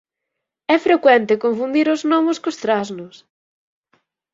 É frecuente confundir os gnomos cos trasnos.